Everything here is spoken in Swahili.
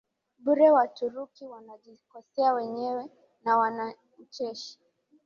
bure Waturuki wanajikosoa wenyewe na wana ucheshi